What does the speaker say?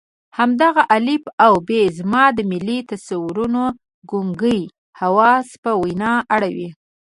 همدغه الف او ب زما د ملي تصویرونو ګونګي حواس په وینا اړوي.